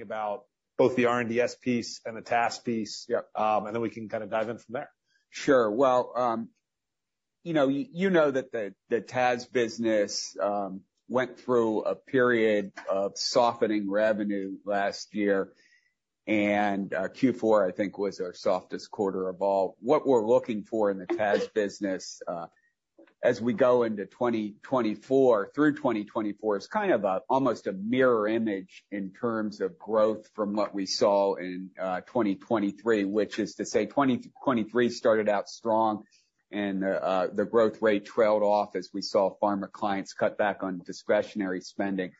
thinking about both the R&DS piece and the TAS piece. Yep. We can kind of dive in from there. Sure. Well, you know, you know that the TAS business went through a period of softening revenue last year, and Q4, I think, was our softest quarter of all. What we're looking for in the TAS business, as we go into 2024, through 2024, is kind of almost a mirror image in terms of growth from what we saw in 2023, which is to say 2023 started out strong and the growth rate trailed off as we saw pharma clients cut back on discretionary spending.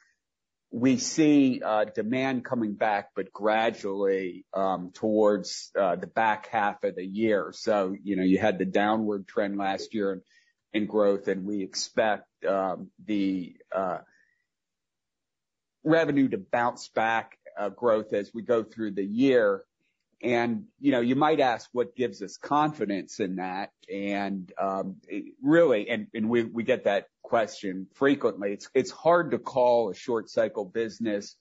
We see demand coming back, but gradually, towards the back half of the year. So, you know, you had the downward trend last year in growth, and we expect the revenue to bounce back, growth as we go through the year. You know, you might ask what gives us confidence in that, and really, we get that question frequently. It's hard to call a short cycle business.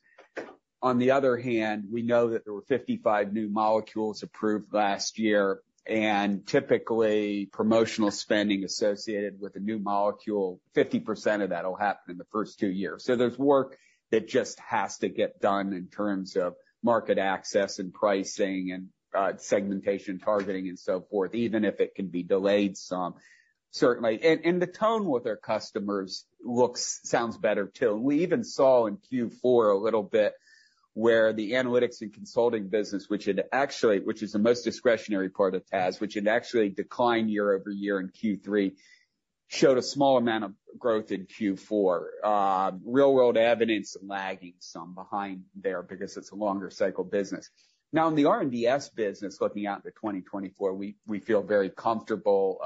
On the other hand, we know that there were 55 new molecules approved last year, and typically, promotional spending associated with a new molecule, 50% of that'll happen in the first two years. So there's work that just has to get done in terms of market access and pricing and segmentation, targeting, and so forth, even if it can be delayed some. Certainly. And the tone with our customers looks, sounds better, too. We even saw in Q4 a little bit where the analytics and consulting business, which had actually, which is the most discretionary part of TAS, which had actually declined year over year in Q3, showed a small amount of growth in Q4. Real world evidence lagging some behind there because it's a longer cycle business. Now, in the R&DS business, looking out to 2024, we feel very comfortable.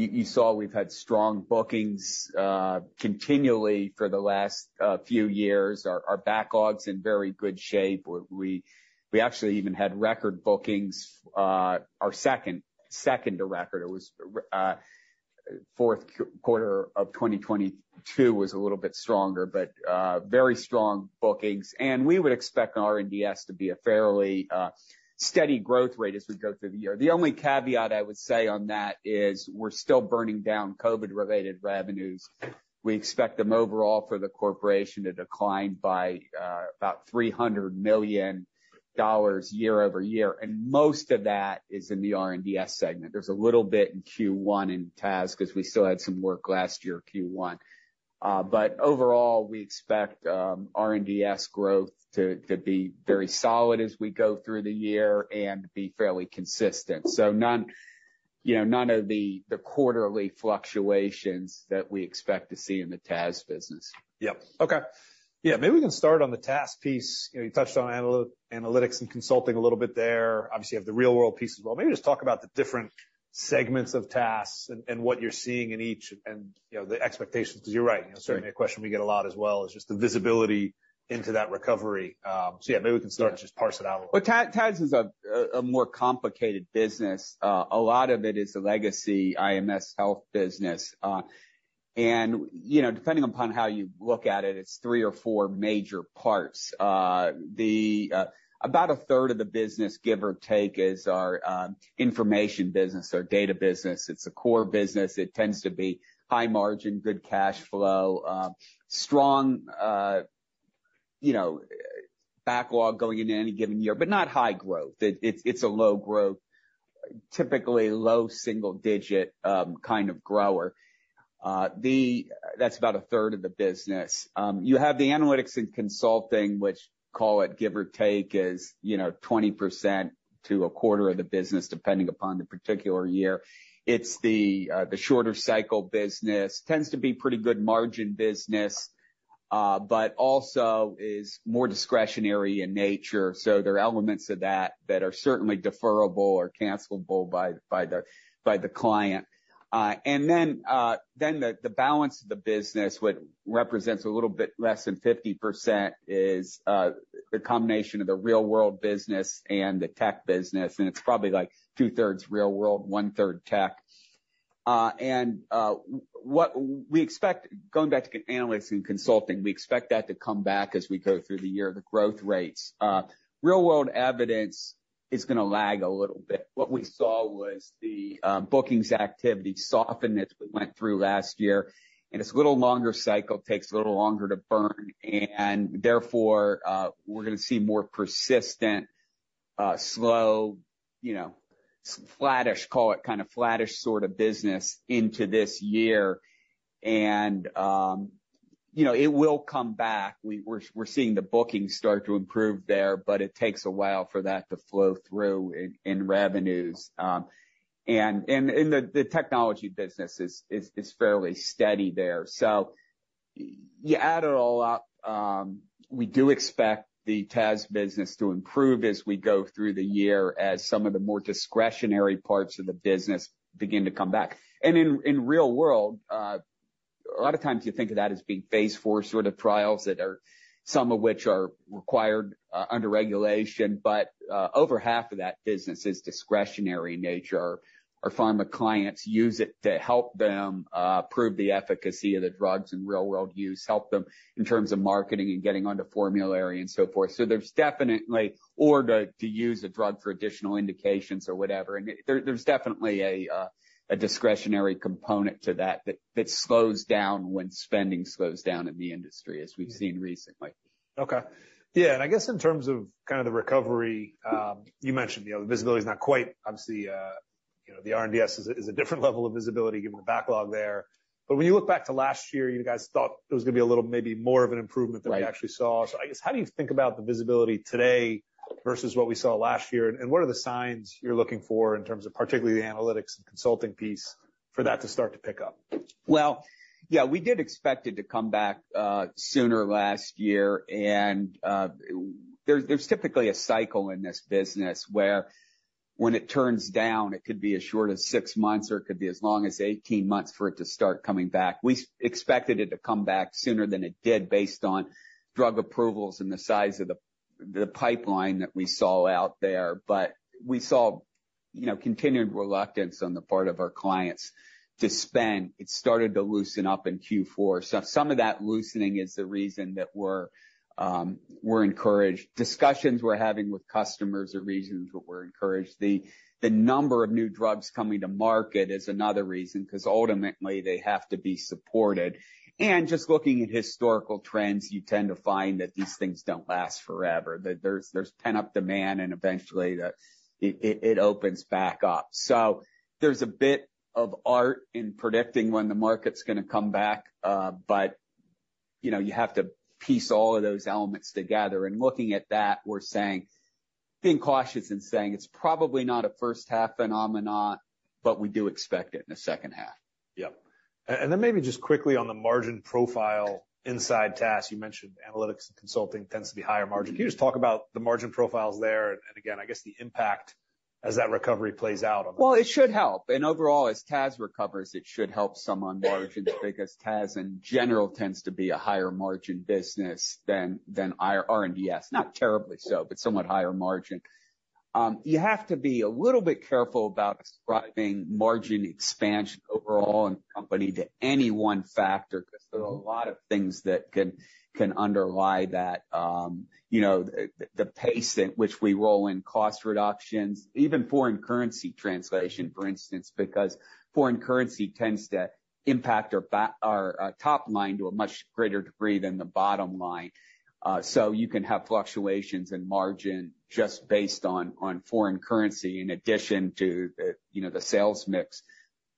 You saw we've had strong bookings continually for the last few years. Our backlog's in very good shape. We actually even had record bookings, our second to record. It was fourth quarter of 2022 was a little bit stronger, but very strong bookings. We would expect R&DS to be a fairly steady growth rate as we go through the year. The only caveat I would say on that is we're still burning down COVID-related revenues. We expect them overall for the corporation to decline by about $300 million year over year, and most of that is in the R&DS segment. There's a little bit in Q1 in TAS because we still had some work last year, Q1. But overall, we expect R&DS growth to be very solid as we go through the year and be fairly consistent. So none, you know, none of the quarterly fluctuations that we expect to see in the TAS business. Yep. Okay. Yeah, maybe we can start on the TAS piece. You know, you touched on analytics and consulting a little bit there. Obviously, you have the real-world piece as well. Maybe just talk about the different segments of TAS and what you're seeing in each and, you know, the expectations. Because you're right, you know, certainly a question we get a lot as well, is just the visibility into that recovery. So yeah, maybe we can start and just parse it out a little bit. Well, TAS is a more complicated business. A lot of it is the legacy IMS Health business. And, you know, depending upon how you look at it, it's 3 or 4 major parts. About a third of the business, give or take, is our information business, our data business. It's a core business. It tends to be high margin, good cash flow, strong, you know, backlog going into any given year, but not high growth. It's a low growth, typically low single-digit kind of grower. That's about a third of the business. You have the analytics and consulting, which, call it give or take, is, you know, 20%-25% of the business, depending upon the particular year. It's the shorter cycle business, tends to be pretty good margin business, but also is more discretionary in nature. So there are elements of that that are certainly deferrable or cancelable by the client. And then the balance of the business, what represents a little bit less than 50% is the combination of the Real World business and the tech business, and it's probably, like, two-thirds Real World, one-third tech. And what we expect, going back to analytics and consulting, we expect that to come back as we go through the year, the growth rates. Real World Evidence is gonna lag a little bit. What we saw was the bookings activity soften as we went through last year, and it's a little longer cycle, takes a little longer to burn, and therefore, we're gonna see more persistent slow, you know, flattish, call it kind of flattish sort of business into this year. And you know, it will come back. We're seeing the bookings start to improve there, but it takes a while for that to flow through in revenues. And the technology business is fairly steady there. So you add it all up, we do expect the TAS business to improve as we go through the year, as some of the more discretionary parts of the business begin to come back. And in real world... A lot of times, you think of that as being Phase IV sort of trials that are, some of which are required, under regulation, but, over half of that business is discretionary in nature. Our pharma clients use it to help them, prove the efficacy of the drugs in real world use, help them in terms of marketing and getting onto formulary and so forth. So there's definitely or to use a drug for additional indications or whatever, and there's definitely a discretionary component to that that slows down when spending slows down in the industry, as we've seen recently. Okay. Yeah, and I guess in terms of kind of the recovery, you mentioned, you know, the visibility is not quite obviously, you know, the R&DS is a, is a different level of visibility given the backlog there. But when you look back to last year, you guys thought it was gonna be a little, maybe more of an improvement- Right. than we actually saw. So I guess, how do you think about the visibility today versus what we saw last year? And what are the signs you're looking for in terms of particularly the analytics and consulting piece, for that to start to pick up? Well, yeah, we did expect it to come back sooner last year, and there's typically a cycle in this business where when it turns down, it could be as short as 6 months, or it could be as long as 18 months for it to start coming back. We expected it to come back sooner than it did, based on drug approvals and the size of the pipeline that we saw out there. But we saw, you know, continued reluctance on the part of our clients to spend. It started to loosen up in Q4. So some of that loosening is the reason that we're encouraged. Discussions we're having with customers are reasons that we're encouraged. The number of new drugs coming to market is another reason, 'cause ultimately, they have to be supported. And just looking at historical trends, you tend to find that these things don't last forever, that there's pent-up demand, and eventually, it opens back up. So there's a bit of art in predicting when the market's gonna come back, but, you know, you have to piece all of those elements together. And looking at that, we're saying, being cautious in saying, "It's probably not a first half phenomenon, but we do expect it in the second half. Yep. And then maybe just quickly on the margin profile inside TAS, you mentioned analytics and consulting tends to be higher margin. Can you just talk about the margin profiles there, and again, I guess the impact as that recovery plays out on them? Well, it should help. Overall, as TAS recovers, it should help some on margins, because TAS, in general, tends to be a higher margin business than our R&DS. Not terribly so, but somewhat higher margin. You have to be a little bit careful about ascribing margin expansion overall in the company to any one factor, 'cause there are a lot of things that can underlie that. You know, the pace at which we roll in cost reductions, even foreign currency translation, for instance, because foreign currency tends to impact our top line to a much greater degree than the bottom line. You can have fluctuations in margin just based on foreign currency, in addition to, you know, the sales mix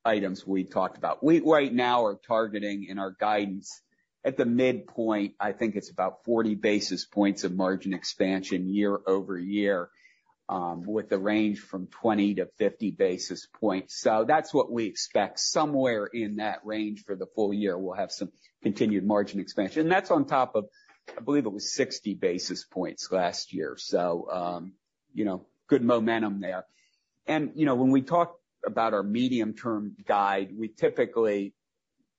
items we talked about. We, right now, are targeting in our guidance at the midpoint, I think it's about 40 basis points of margin expansion year-over-year, with a range from 20-50 basis points. So that's what we expect. Somewhere in that range for the full year, we'll have some continued margin expansion. And that's on top of, I believe it was 60 basis points last year, so, you know, good momentum there. And, you know, when we talk about our medium-term guide, we typically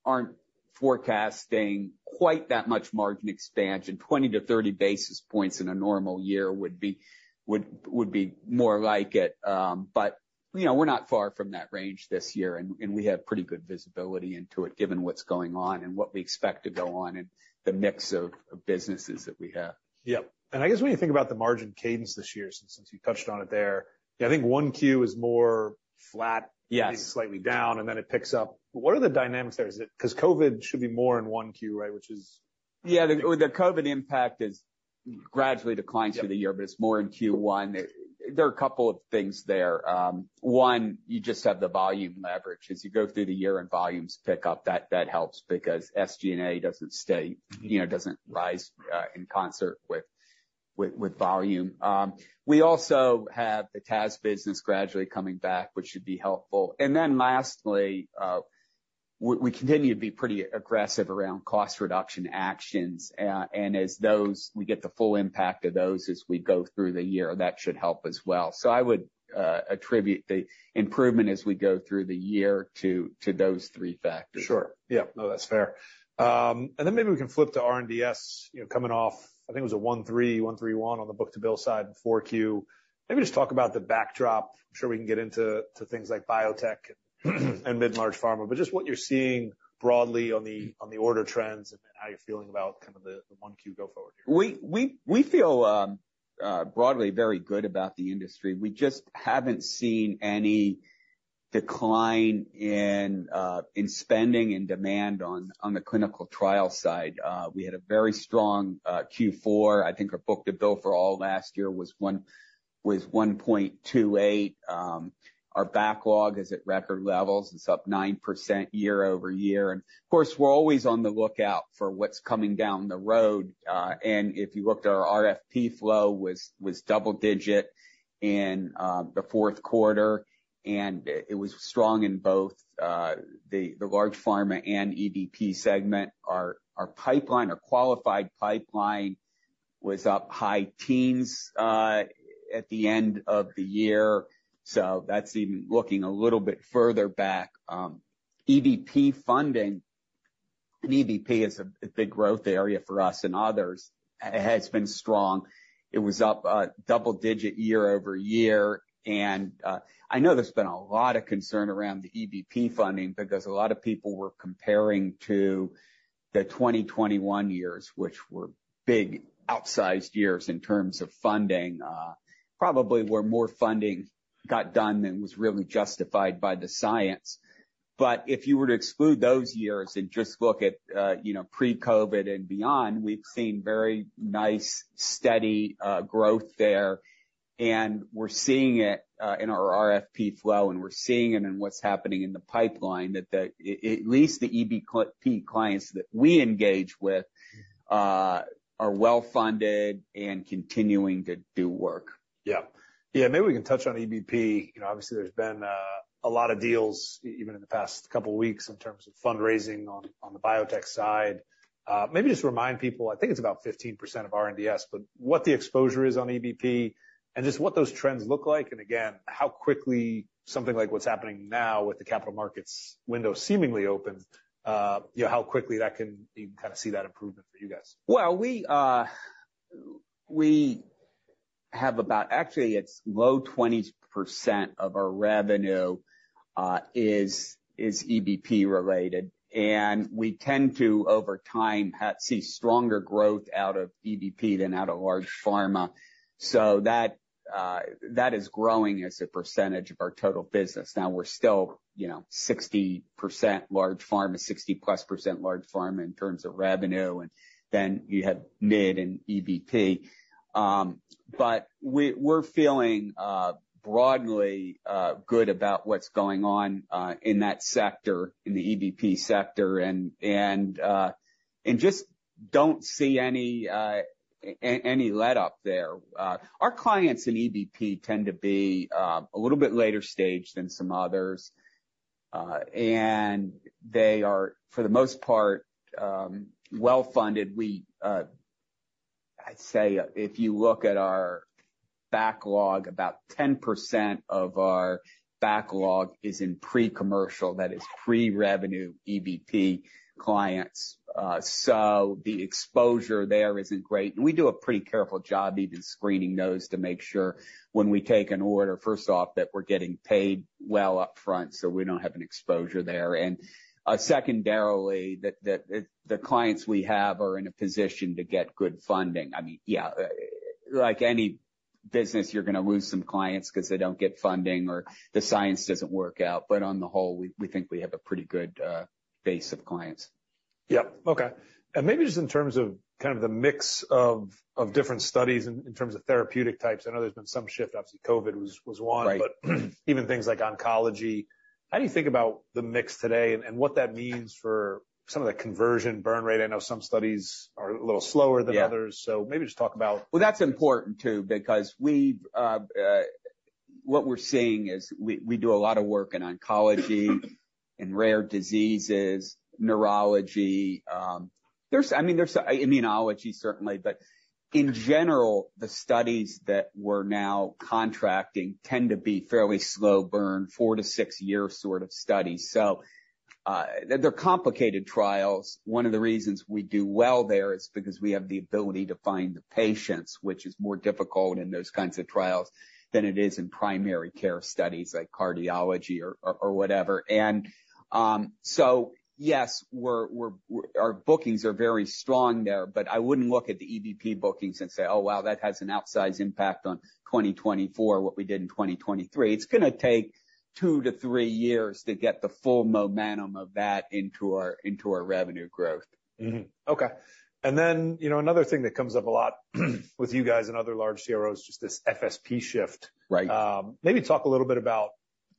aren't forecasting quite that much margin expansion. 20-30 basis points in a normal year would be, would, would be more like it. But, you know, we're not far from that range this year, and we have pretty good visibility into it, given what's going on and what we expect to go on in the mix of businesses that we have. Yep. And I guess when you think about the margin cadence this year, since you touched on it there, I think Q1 is more flat- Yes. maybe slightly down, and then it picks up. What are the dynamics there? Is it-- 'cause COVID should be more in Q1 right, which is- Yeah, well, the COVID impact is gradually declining through the year- Yep... but it's more in Q1. There are a couple of things there. One, you just have the volume leverage. As you go through the year and volumes pick up, that helps because SG&A doesn't stay, you know, doesn't rise in concert with volume. We also have the TAS business gradually coming back, which should be helpful. And then lastly, we continue to be pretty aggressive around cost reduction actions, and as those, we get the full impact of those as we go through the year, that should help as well. So I would attribute the improvement as we go through the year to those three factors. Sure. Yep. No, that's fair. And then maybe we can flip to R&DS, you know, coming off, I think it was a 1.3, 1.31 on the book-to-bill side in 4Q. Maybe just talk about the backdrop. I'm sure we can get into to things like biotech, and mid-large pharma, but just what you're seeing broadly on the order trends and how you're feeling about kind of the 1Q go forward here. We feel broadly very good about the industry. We just haven't seen any decline in spending and demand on the clinical trial side. We had a very strong Q4. I think our book-to-bill for all last year was 1.28. Our backlog is at record levels. It's up 9% year-over-year. And of course, we're always on the lookout for what's coming down the road. And if you looked, our RFP flow was double-digit in the fourth quarter, and it was strong in both the large pharma and EBP segment. Our qualified pipeline was up high teens at the end of the year, so that's even looking a little bit further back. EBP funding, and EBP is a big growth area for us and others, has been strong. It was up double-digit year-over-year, and I know there's been a lot of concern around the EBP funding because a lot of people were comparing to the 2021 years, which were big, outsized years in terms of funding. Probably where more funding got done than was really justified by the science. But if you were to exclude those years and just look at, you know, pre-COVID and beyond, we've seen very nice, steady growth there. And we're seeing it in our RFP flow, and we're seeing it in what's happening in the pipeline, that at least the EBP clients that we engage with are well-funded and continuing to do work. Yeah. Yeah, maybe we can touch on EBP. You know, obviously, there's been a lot of deals even in the past couple weeks in terms of fundraising on the biotech side. Maybe just remind people, I think it's about 15% of R&DS, but what the exposure is on EBP, and just what those trends look like, and again, how quickly something like what's happening now with the capital markets window seemingly open, you know, how quickly that can, you can kind of see that improvement for you guys? Well, we have about -- actually, it's low 20% of our revenue is EBP related. And we tend to, over time, see stronger growth out of EBP than out of large pharma. So that is growing as a percentage of our total business. Now, we're still, you know, 60% large pharma, 60+% large pharma in terms of revenue, and then you have mid and EBP. But we're feeling broadly good about what's going on in that sector, in the EBP sector, and just don't see any any letup there. Our clients in EBP tend to be a little bit later stage than some others. And they are, for the most part, well-funded. I'd say if you look at our backlog, about 10% of our backlog is in pre-commercial, that is pre-revenue EBP clients. So the exposure there isn't great. And we do a pretty careful job even screening those to make sure when we take an order, first off, that we're getting paid well upfront, so we don't have an exposure there. And secondarily, that the clients we have are in a position to get good funding. I mean, yeah, like any business, you're gonna lose some clients 'cause they don't get funding or the science doesn't work out, but on the whole, we think we have a pretty good base of clients. Yep, okay. And maybe just in terms of kind of the mix of different studies in terms of therapeutic types, I know there's been some shift. Obviously, COVID was one. Right. But even things like oncology, how do you think about the mix today and what that means for some of the conversion burn rate? I know some studies are a little slower than others. Yeah. Maybe just talk about- Well, that's important, too, because we've what we're seeing is we do a lot of work in oncology, in rare diseases, neurology, I mean, immunology, certainly. But in general, the studies that we're now contracting tend to be fairly slow burn, 4-6-year sort of studies. So, they're complicated trials. One of the reasons we do well there is because we have the ability to find the patients, which is more difficult in those kinds of trials than it is in primary care studies, like cardiology or whatever. Yes, our bookings are very strong there, but I wouldn't look at the EBP bookings and say, "Oh, wow, that has an outsized impact on 2024, what we did in 2023." It's gonna take 2-3 years to get the full momentum of that into our revenue growth. Mm-hmm. Okay. And then, you know, another thing that comes up a lot with you guys and other large CROs is just this FSP shift. Right. Maybe talk a little bit about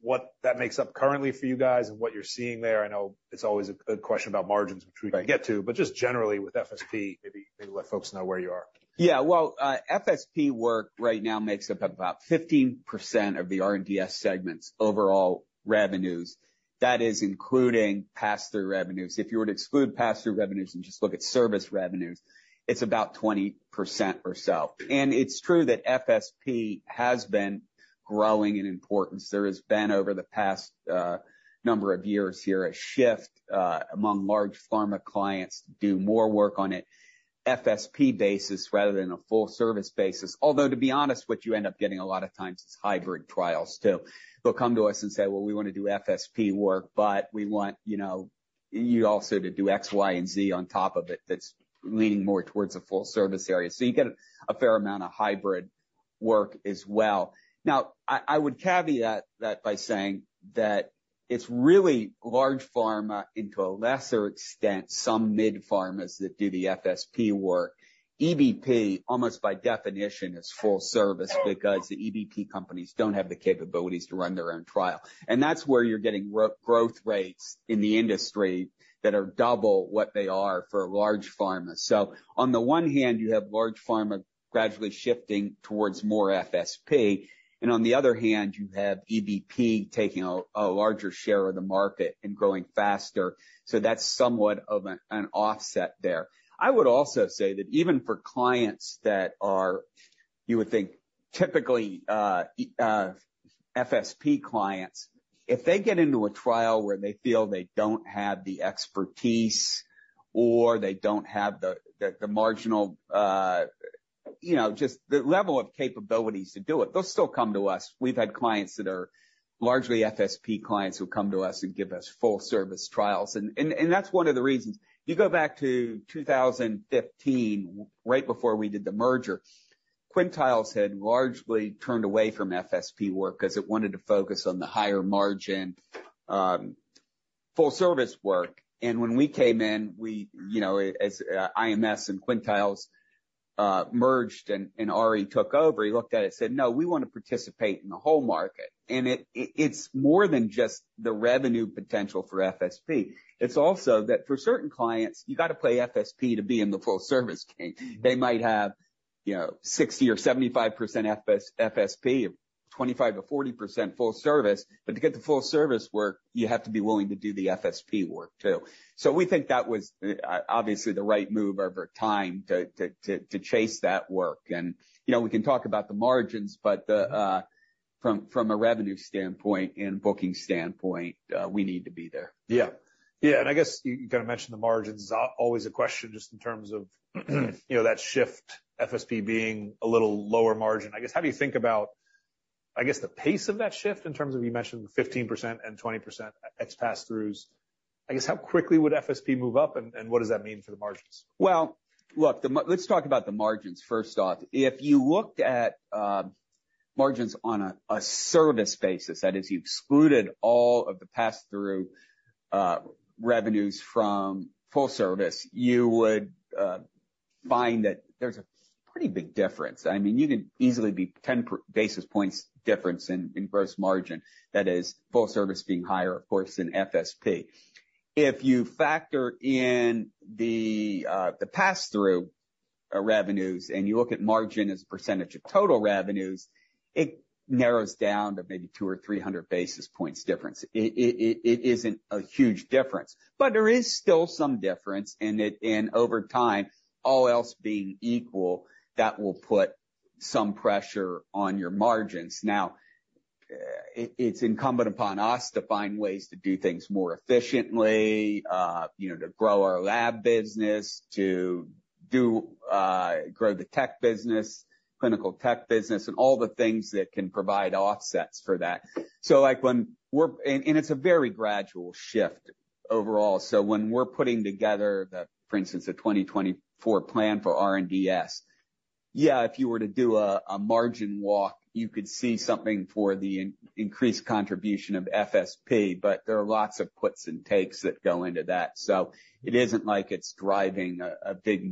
what that makes up currently for you guys and what you're seeing there. I know it's always a question about margins- Right... which we can get to, but just generally with FSP, maybe let folks know where you are. Yeah, well, FSP work right now makes up about 15% of the R&DS segment's overall revenues. That is including pass-through revenues. If you were to exclude pass-through revenues and just look at service revenues, it's about 20% or so. And it's true that FSP has been growing in importance. There has been, over the past, number of years here, a shift, among large pharma clients to do more work on an FSP basis rather than a full service basis. Although, to be honest, what you end up getting a lot of times is hybrid trials, too. They'll come to us and say, "Well, we wanna do FSP work, but we want, you know, you also to do X, Y, and Z on top of it," that's leaning more towards a full service area. So you get a fair amount of hybrid work as well. Now, I would caveat that by saying that it's really large pharma, to a lesser extent, some mid pharmas that do the FSP work. EBP, almost by definition, is full service, because the EBP companies don't have the capabilities to run their own trial. And that's where you're getting growth rates in the industry that are double what they are for a large pharma. So on the one hand, you have large pharma gradually shifting towards more FSP, and on the other hand, you have EBP taking a larger share of the market and growing faster. So that's somewhat of an offset there. I would also say that even for clients that are, you would think, typically, FSP clients, if they get into a trial where they feel they don't have the expertise or they don't have the marginal, you know, just the level of capabilities to do it, they'll still come to us. We've had clients that are largely FSP clients who come to us and give us full service trials, and that's one of the reasons. You go back to 2015, right before we did the merger, Quintiles had largely turned away from FSP work because it wanted to focus on the higher margin full service work. When we came in, we, you know, as IMS and Quintiles merged and Ari took over, he looked at it and said, "No, we wanna participate in the whole market." It's more than just the revenue potential for FSP. It's also that for certain clients, you gotta play FSP to be in the full service game. They might have, you know, 60% or 75% FSP, 25%-40% full service, but to get the full service work, you have to be willing to do the FSP work, too. So we think that was obviously the right move over time to chase that work. You know, we can talk about the margins, but from a revenue standpoint and booking standpoint, we need to be there. Yeah. Yeah, and I guess you kind of mentioned the margins. Always a question just in terms of, you know, that shift, FSP being a little lower margin. I guess, how do you think about, I guess, the pace of that shift in terms of, you mentioned 15% and 20% ex pass-throughs? I guess, how quickly would FSP move up, and what does that mean for the margins? Well, look, let's talk about the margins first off. If you looked at margins on a service basis, that is, you excluded all of the pass-through revenues from full service, you would find that there's a pretty big difference. I mean, you could easily be 10 basis points difference in gross margin. That is full service being higher, of course, than FSP. If you factor in the pass-through revenues, and you look at margin as a percentage of total revenues, it narrows down to maybe 200 or 300 basis points difference. It isn't a huge difference, but there is still some difference, and over time, all else being equal, that will put some pressure on your margins. Now, it's incumbent upon us to find ways to do things more efficiently, you know, to grow our lab business, to grow the tech business, clinical tech business, and all the things that can provide offsets for that. So, like, it's a very gradual shift overall. So when we're putting together the, for instance, the 2024 plan for R&DS, yeah, if you were to do a margin walk, you could see something for the increased contribution of FSP, but there are lots of puts and takes that go into that. So it isn't like it's driving a big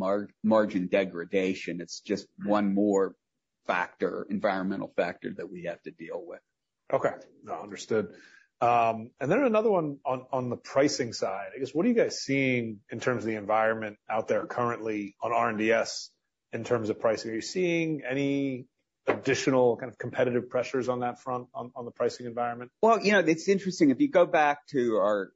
margin degradation. It's just one more factor, environmental factor that we have to deal with. Okay. No, understood. And then another one on the pricing side. I guess, what are you guys seeing in terms of the environment out there currently on R&DS in terms of pricing? Are you seeing any additional kind of competitive pressures on that front, on the pricing environment? Well, you know, it's interesting. If you go back to our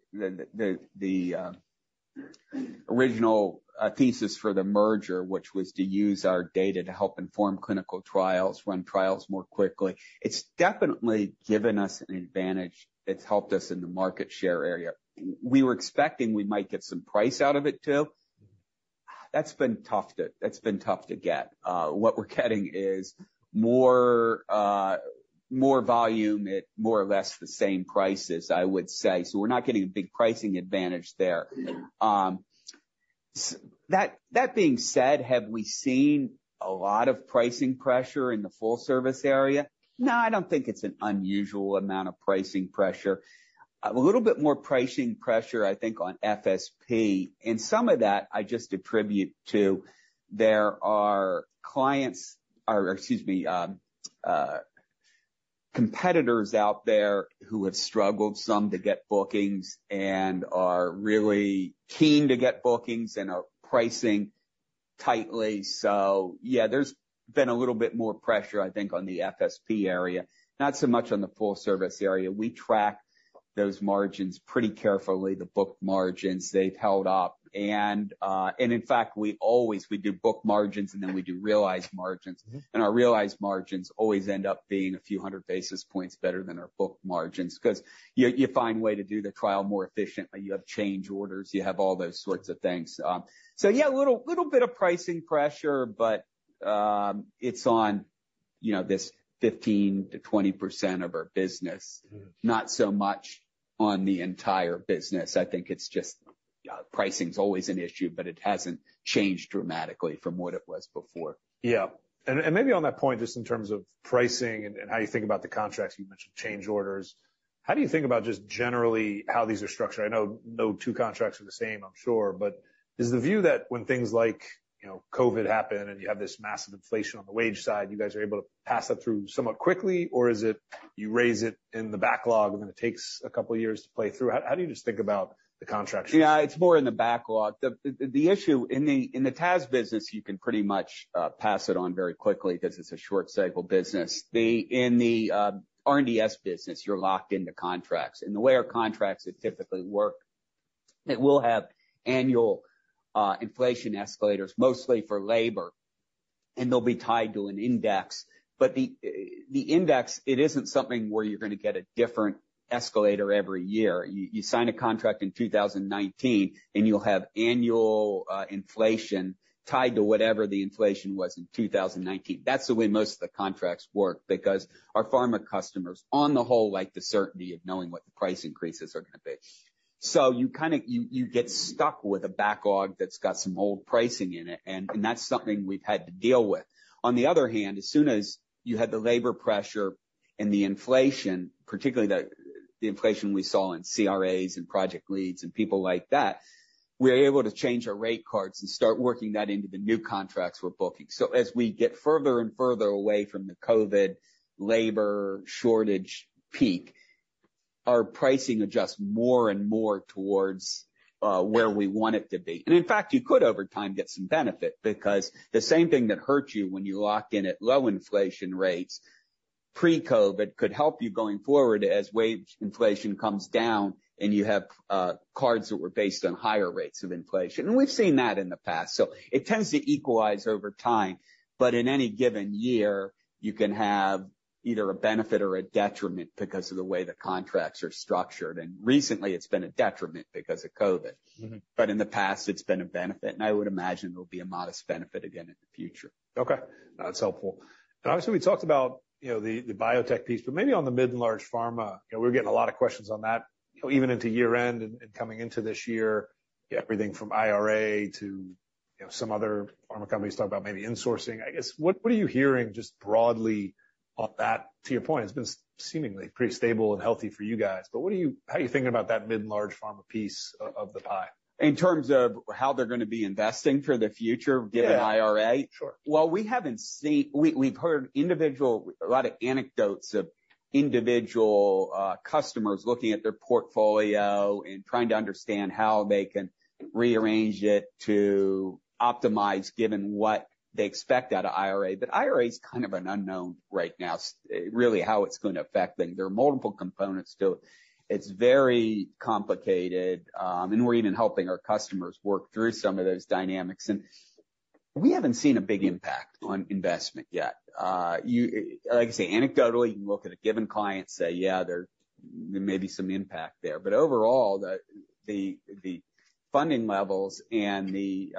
original thesis for the merger, which was to use our data to help inform clinical trials, run trials more quickly, it's definitely given us an advantage. It's helped us in the market share area. We were expecting we might get some price out of it, too. That's been tough to get. What we're getting is more volume at more or less the same prices, I would say. So we're not getting a big pricing advantage there. That being said, have we seen a lot of pricing pressure in the full service area? No, I don't think it's an unusual amount of pricing pressure. A little bit more pricing pressure, I think, on FSP, and some of that I just attribute to there are clients, or excuse me, competitors out there who have struggled some to get bookings and are really keen to get bookings and are pricing tightly. So yeah, there's been a little bit more pressure, I think, on the FSP area, not so much on the full service area. We track those margins pretty carefully, the book margins. They've held up. And in fact, we always, we do book margins, and then we do realized margins. Mm-hmm. Our realized margins always end up being a few hundred basis points better than our book margins, 'cause you find a way to do the trial more efficiently. You have change orders, you have all those sorts of things. So yeah, a little bit of pricing pressure, but it's on, you know, this 15%-20% of our business. Mm. Not so much on the entire business. I think it's just, pricing's always an issue, but it hasn't changed dramatically from what it was before. Yeah. And maybe on that point, just in terms of pricing and how you think about the contracts, you mentioned change orders. How do you think about just generally how these are structured? I know no two contracts are the same, I'm sure, but is the view that when things like, you know, COVID happen, and you have this massive inflation on the wage side, you guys are able to pass that through somewhat quickly? Or is it, you raise it in the backlog, and then it takes a couple of years to play through? How do you just think about the contracts? Yeah, it's more in the backlog. The issue in the TAS business, you can pretty much pass it on very quickly because it's a short cycle business. In the R&DS business, you're locked into contracts. And the way our contracts typically work, it will have annual inflation escalators, mostly for labor, and they'll be tied to an index. But the index, it isn't something where you're gonna get a different escalator every year. You sign a contract in 2019, and you'll have annual inflation tied to whatever the inflation was in 2019. That's the way most of the contracts work, because our pharma customers, on the whole, like the certainty of knowing what the price increases are gonna be. So you kind of-- you get stuck with a backlog that's got some old pricing in it, and that's something we've had to deal with. On the other hand, as soon as you had the labor pressure and the inflation, particularly the inflation we saw in CRAs and project leads and people like that, we're able to change our rate cards and start working that into the new contracts we're booking. So as we get further and further away from the COVID labor shortage peak, our pricing adjusts more and more towards where we want it to be. And in fact, you could, over time, get some benefit, because the same thing that hurt you when you lock in at low inflation rates, pre-COVID, could help you going forward as wage inflation comes down and you have clauses that were based on higher rates of inflation. And we've seen that in the past, so it tends to equalize over time. But in any given year, you can have either a benefit or a detriment because of the way the contracts are structured, and recently it's been a detriment because of COVID. Mm-hmm. In the past, it's been a benefit, and I would imagine it'll be a modest benefit again in the future. Okay, that's helpful. And obviously, we talked about, you know, the biotech piece, but maybe on the mid and large pharma, you know, we're getting a lot of questions on that, you know, even into year-end and coming into this year, everything from IRA to, you know, some other pharma companies talk about maybe insourcing. I guess, what are you hearing just broadly on that? To your point, it's been seemingly pretty stable and healthy for you guys, but what are you--how are you thinking about that mid and large pharma piece of the pie? In terms of how they're gonna be investing for the future, given IRA? Yeah. Sure. Well, we haven't seen—we've heard a lot of anecdotes of individual customers looking at their portfolio and trying to understand how they can rearrange it to optimize, given what they expect out of IRA. But IRA is kind of an unknown right now, really, how it's gonna affect things. There are multiple components to it. It's very complicated, and we're even helping our customers work through some of those dynamics, and we haven't seen a big impact on investment yet. Like I say, anecdotally, you can look at a given client and say, "Yeah, there may be some impact there." But overall, the funding levels and the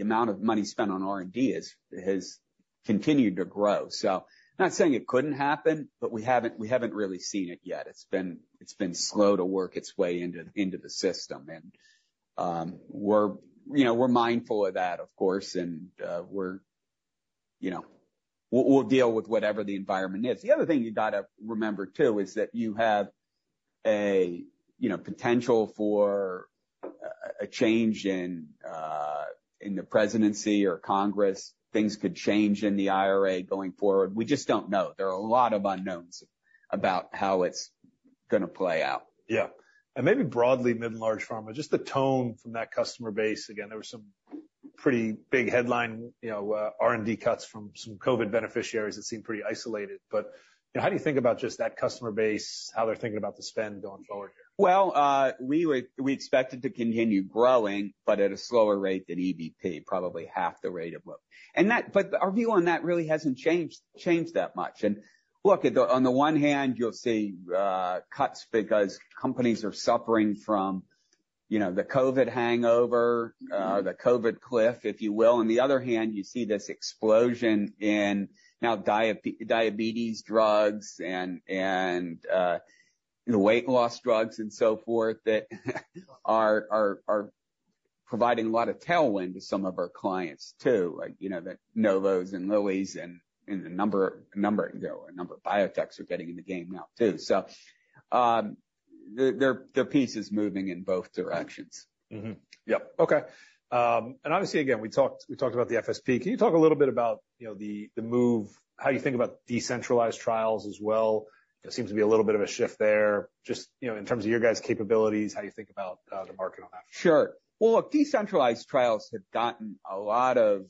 amount of money spent on R&D has continued to grow. So I'm not saying it couldn't happen, but we haven't really seen it yet. It's been slow to work its way into the system. And, you know, we're mindful of that, of course, and, you know. We'll deal with whatever the environment is. The other thing you gotta remember, too, is that you have a, you know, potential for a change in the presidency or Congress. Things could change in the IRA going forward. We just don't know. There are a lot of unknowns about how it's gonna play out. Yeah. And maybe broadly, mid and large pharma, just the tone from that customer base. Again, there were some pretty big headline, you know, R&D cuts from some COVID beneficiaries that seemed pretty isolated. But, you know, how do you think about just that customer base, how they're thinking about the spend going forward here? Well, we expect it to continue growing, but at a slower rate than EBP, probably half the rate of what. And that, but our view on that really hasn't changed that much. And look, on the one hand, you'll see cuts because companies are suffering from, you know, the COVID hangover, the COVID cliff, if you will. On the other hand, you see this explosion in now diabetes drugs and weight loss drugs and so forth, that are providing a lot of tailwind to some of our clients, too, like, you know, the Novos and Lillys and a number of biotechs are getting in the game now, too. So, the piece is moving in both directions. Mm-hmm. Yep, okay. And obviously, again, we talked, we talked about the FSP. Can you talk a little bit about, you know, the move, how you think about decentralized trials as well? There seems to be a little bit of a shift there. Just, you know, in terms of your guys' capabilities, how you think about the market on that. Sure. Well, look, decentralized trials have gotten a lot of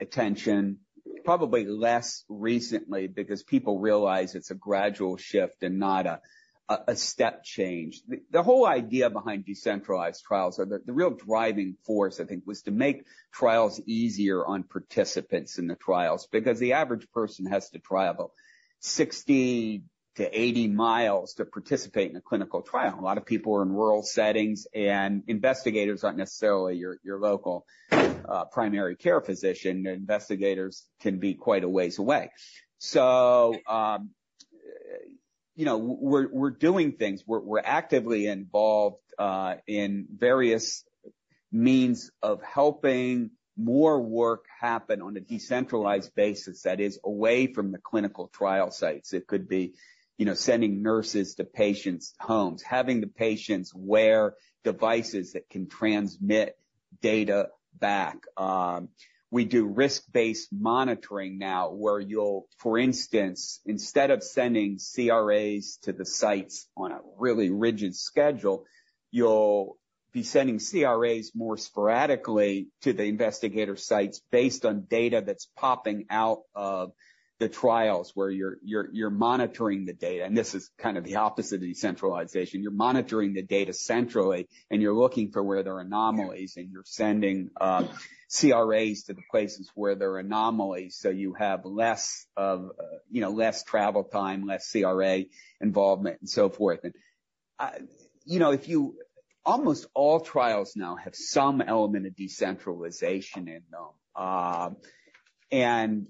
attention, probably less recently, because people realize it's a gradual shift and not a step change. The whole idea behind decentralized trials are the real driving force, I think, was to make trials easier on participants in the trials, because the average person has to travel 60-80 miles to participate in a clinical trial. A lot of people are in rural settings, and investigators aren't necessarily your local primary care physician. Investigators can be quite a ways away. So, you know, we're actively involved in various means of helping more work happen on a decentralized basis that is away from the clinical trial sites. It could be, you know, sending nurses to patients' homes, having the patients wear devices that can transmit data back. We do risk-based monitoring now, where you'll, for instance, instead of sending CRAs to the sites on a really rigid schedule, you'll be sending CRAs more sporadically to the investigator sites based on data that's popping out of the trials, where you're monitoring the data. And this is kind of the opposite of decentralization. You're monitoring the data centrally, and you're looking for where there are anomalies, and you're sending CRAs to the places where there are anomalies, so you have less of, you know, less travel time, less CRA involvement, and so forth. And, you know, almost all trials now have some element of decentralization in them.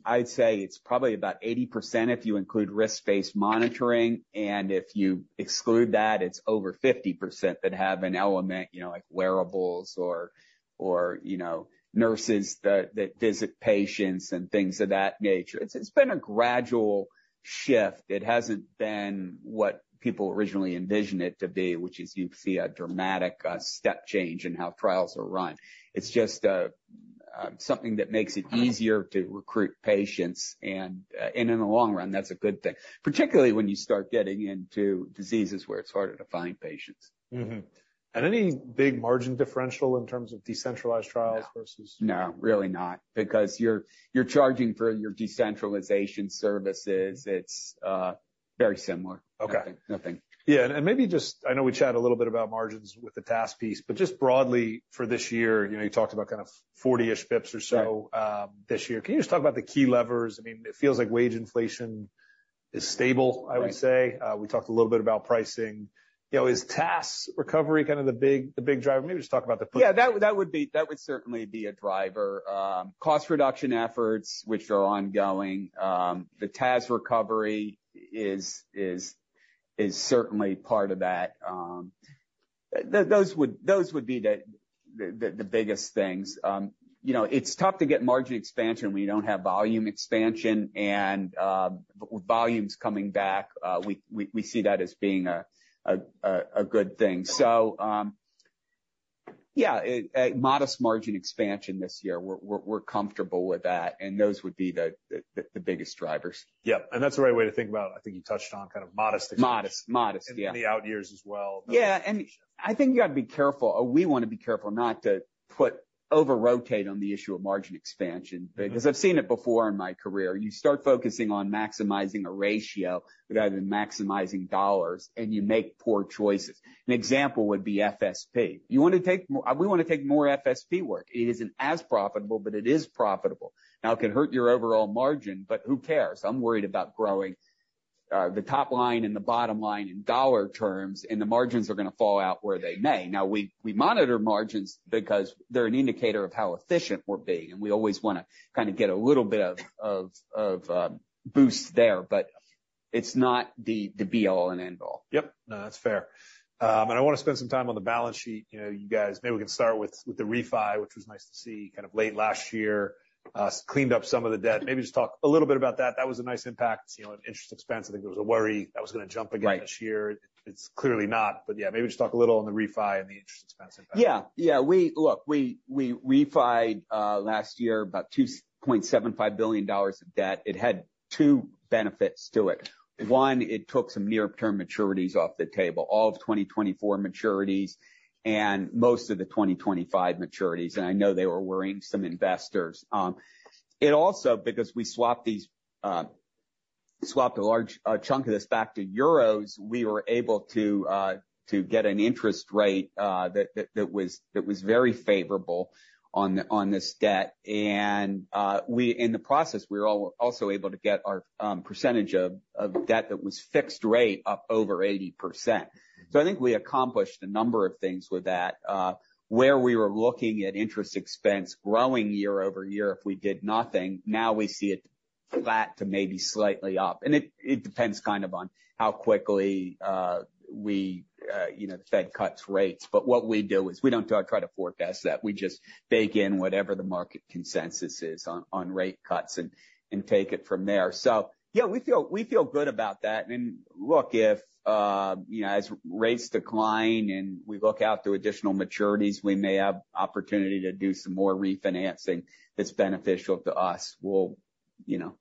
I'd say it's probably about 80% if you include risk-based monitoring, and if you exclude that, it's over 50% that have an element, you know, like wearables or, you know, nurses that visit patients and things of that nature. It's been a gradual shift. It hasn't been what people originally envisioned it to be, which is you'd see a dramatic step change in how trials are run. It's just something that makes it easier to recruit patients, and in the long run, that's a good thing, particularly when you start getting into diseases where it's harder to find patients. Mm-hmm. And any big margin differential in terms of decentralized trials versus- No, really not, because you're charging for your decentralization services. It's very similar. Okay. Nothing. Nothing. Yeah, and maybe just... I know we chatted a little bit about margins with the TAS piece, but just broadly for this year, you know, you talked about kind of 40-ish basis points or so- Right... this year. Can you just talk about the key levers? I mean, it feels like wage inflation is stable- Right I would say. We talked a little bit about pricing. You know, is TAS recovery kind of the big, the big driver? Maybe just talk about the- Yeah, that would certainly be a driver. Cost reduction efforts, which are ongoing, the TAS recovery is certainly part of that. Those would be the biggest things. You know, it's tough to get margin expansion when you don't have volume expansion, and volume's coming back. We see that as being a good thing. So, yeah, a modest margin expansion this year, we're comfortable with that, and those would be the biggest drivers. Yeah, and that's the right way to think about it. I think you touched on kind of modest- Modest, modest, yeah. In the out years as well. Yeah, and I think you gotta be careful, or we wanna be careful not to over-rotate on the issue of margin expansion. Mm-hmm. Because I've seen it before in my career, you start focusing on maximizing a ratio rather than maximizing dollars, and you make poor choices. An example would be FSP. You want to take more. We want to take more FSP work. It isn't as profitable, but it is profitable. Now, it can hurt your overall margin, but who cares? I'm worried about growing the top line and the bottom line in dollar terms, and the margins are gonna fall out where they may. Now, we monitor margins because they're an indicator of how efficient we're being, and we always wanna kind of get a little bit of a boost there, but it's not the be all and end all. Yep. No, that's fair. And I wanna spend some time on the balance sheet. You know, you guys, maybe we can start with the refi, which was nice to see, kind of late last year, cleaned up some of the debt. Maybe just talk a little bit about that. That was a nice impact, you know, interest expense. I think there was a worry that was gonna jump again. Right -this year. It's clearly not, but yeah, maybe just talk a little on the refi and the interest expense impact. Yeah, yeah, look, we refinanced last year about $2.75 billion of debt. It had two benefits to it. One, it took some near-term maturities off the table, all of 2024 maturities and most of the 2025 maturities, and I know they were worrying some investors. It also, because we swapped these, swapped a large chunk of this back to euros, we were able to get an interest rate that was very favorable on this debt. And in the process, we were also able to get our percentage of debt that was fixed rate up over 80%. So I think we accomplished a number of things with that. Where we were looking at interest expense growing year-over-year if we did nothing, now we see it flat to maybe slightly up. It depends kind of on how quickly we, you know, the Fed cuts rates. But what we do is we don't try to forecast that. We just bake in whatever the market consensus is on rate cuts and take it from there. So yeah, we feel good about that. Look, if, you know, as rates decline and we look out to additional maturities, we may have opportunity to do some more refinancing that's beneficial to us. We'll, you know,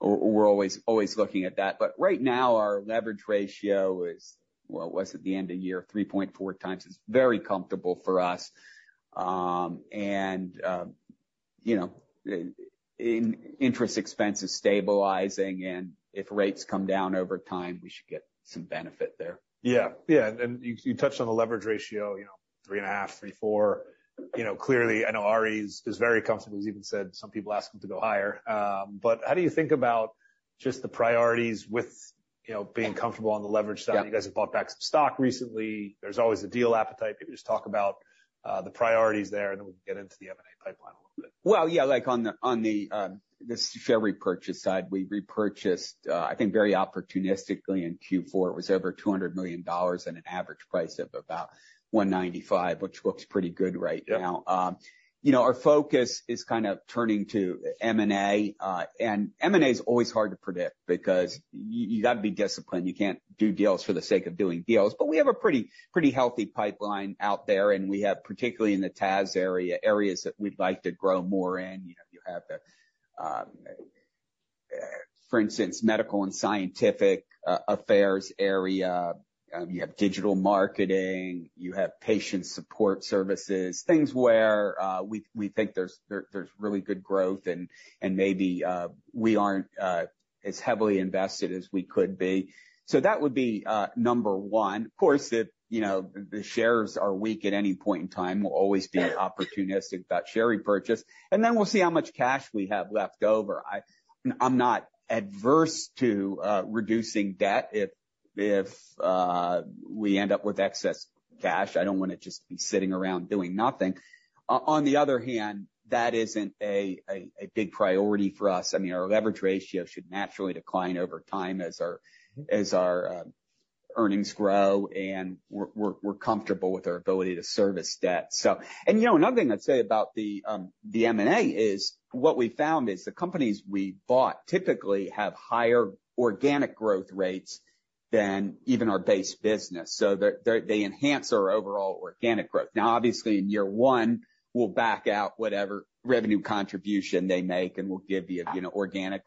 we're always looking at that, but right now, our leverage ratio is, well, was at the end of year 3.4 times. It's very comfortable for us. You know, interest expense is stabilizing, and if rates come down over time, we should get some benefit there. Yeah, yeah, and you, you touched on the leverage ratio, you know, 3.5, 3.4. You know, clearly, I know Ari is, is very comfortable. He's even said some people ask him to go higher. But how do you think about- Just the priorities with, you know, being comfortable on the leverage side. Yeah. You guys have bought back some stock recently. There's always a deal appetite. If you could just talk about the priorities there, and then we'll get into the M&A pipeline a little bit. Well, yeah, like, on the share repurchase side, we repurchased, I think very opportunistically in Q4. It was over $200 million and an average price of about $195, which looks pretty good right now. Yeah. You know, our focus is kind of turning to M&A, and M&A is always hard to predict because you gotta be disciplined. You can't do deals for the sake of doing deals, but we have a pretty, pretty healthy pipeline out there, and we have, particularly in the TAS area, areas that we'd like to grow more in. You know, you have the, for instance, medical and scientific affairs area, you have digital marketing, you have patient support services, things where we think there's really good growth and maybe we aren't as heavily invested as we could be. So that would be number one. Of course, if, you know, the shares are weak at any point in time, we'll always be opportunistic about share repurchase, and then we'll see how much cash we have left over. I'm not adverse to reducing debt if we end up with excess cash. I don't want it just to be sitting around doing nothing. On the other hand, that isn't a big priority for us. I mean, our leverage ratio should naturally decline over time as our earnings grow, and we're comfortable with our ability to service debt. So. And, you know, another thing I'd say about the M&A is, what we found is the companies we bought typically have higher organic growth rates than even our base business, so they enhance our overall organic growth. Now, obviously, in year one, we'll back out whatever revenue contribution they make, and we'll give you, you know, organic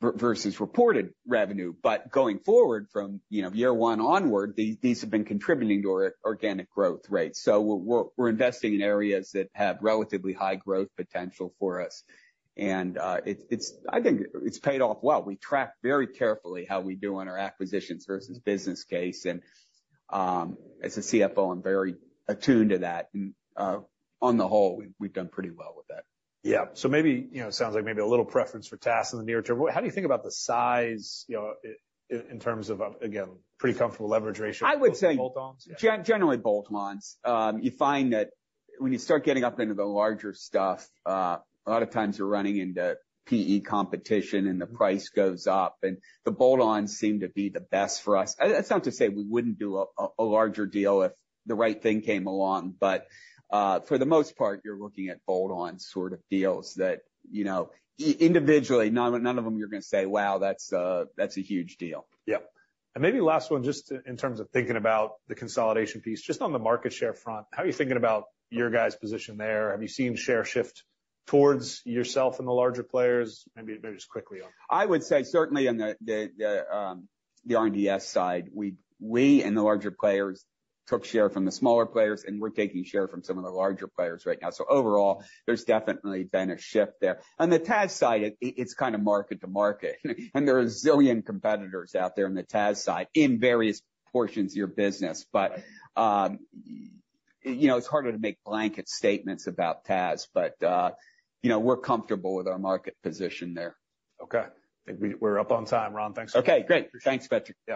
versus reported revenue. But going forward from, you know, year one onward, these have been contributing to organic growth rates. So we're investing in areas that have relatively high growth potential for us, and it, it's—I think it's paid off well. We track very carefully how we do on our acquisitions versus business case, and as a CFO, I'm very attuned to that, and on the whole, we've done pretty well with that. Yeah. So maybe, you know, it sounds like maybe a little preference for TAS in the near term. How do you think about the size, you know, in terms of, again, pretty comfortable leverage ratio- I would say- Bolt-ons?... Generally bolt-ons. You find that when you start getting up into the larger stuff, a lot of times you're running into PE competition, and the price goes up, and the bolt-ons seem to be the best for us. That's not to say we wouldn't do a larger deal if the right thing came along, but for the most part, you're looking at bolt-on sort of deals that, you know, individually, none of them you're gonna say, "Wow, that's a huge deal. Yeah. And maybe last one, just in terms of thinking about the consolidation piece, just on the market share front, how are you thinking about your guys' position there? Have you seen share shift towards yourself and the larger players? Maybe, maybe just quickly on that. I would say certainly on the R&DS side, we and the larger players took share from the smaller players, and we're taking share from some of the larger players right now. So overall, there's definitely been a shift there. On the TAS side, it's kind of market to market, and there are a zillion competitors out there on the TAS side, in various portions of your business. Right. You know, it's harder to make blanket statements about TAS, but, you know, we're comfortable with our market position there. Okay. Think we're up on time, Ron. Thanks. Okay, great. Thanks, Patrick.